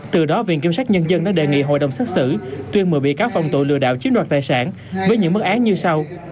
từ đó viện kiểm soát nhân dân đã đề nghị hội đồng xác xử tuyên mời bị cáo phòng tội lừa đạo chiếm đoạt tài sản với những mức án như sau